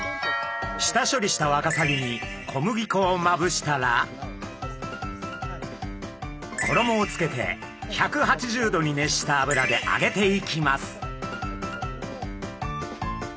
下処理したワカサギに小麦粉をまぶしたら衣をつけて１８０℃に熱した油で揚げていきます。